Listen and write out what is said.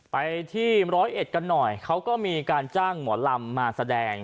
ไปที่ร้อยเอ็ดกันหน่อยเขาก็มีการจ้างหมอลำมาแสดง